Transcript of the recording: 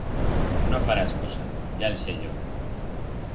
No farás cosa, ya el sé yo.